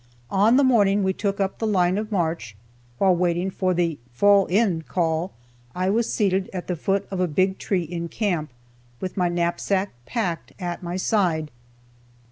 On the morning we took up the line of march, while waiting for the "fall in" call, I was seated at the foot of a big tree in camp, with my knapsack, packed, at my side.